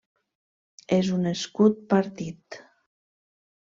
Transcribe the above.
És un escut partit.